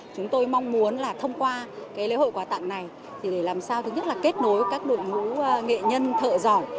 chúng tôi mong muốn là thông qua lễ hội quà tặng này thì để làm sao thứ nhất là kết nối các đội ngũ nghệ nhân thợ giỏi